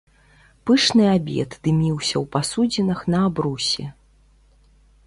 Пышны абед дыміўся ў пасудзінах на абрусе.